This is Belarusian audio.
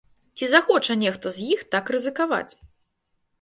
Ці захоча нехта з іх так рызыкаваць?